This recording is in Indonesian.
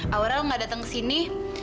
awalnya nggak datang ke sini